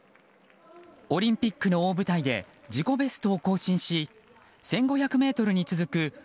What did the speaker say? オリンピックの大舞台で自己ベストを更新し１５００ｍに続く